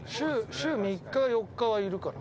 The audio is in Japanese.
週３日、４日はいるかな。